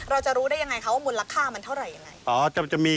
เราจะรู้ได้อย่างไรคะว่ามูลค่ามันเท่าไร